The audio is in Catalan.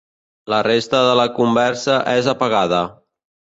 La resta de la conversa és apagada.